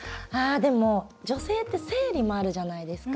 でも、女性って生理もあるじゃないですか。